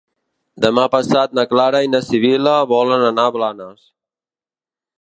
Demà passat na Clara i na Sibil·la volen anar a Blanes.